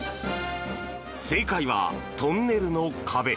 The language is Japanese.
正解はトンネルの壁。